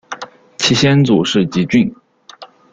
其先祖是汲郡。